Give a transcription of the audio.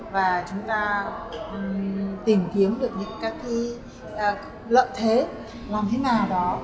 và chúng ta tìm kiếm được những các lợi thế làm thế nào đó